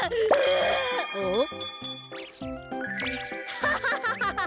ハハハハハ！